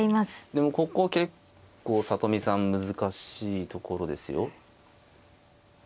でもここ結構里見さん難しいところですよ。